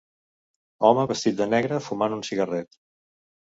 Home vestit de negre fumant un cigarret.